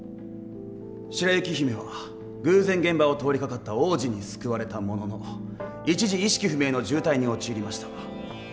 白雪姫は偶然現場を通りかかった王子に救われたものの一時意識不明の重体に陥りました。